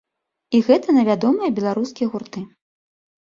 І гэта на вядомыя беларускія гурты.